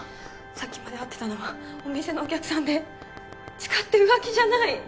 さっきまで会ってたのはお店のお客さんで誓って浮気じゃない！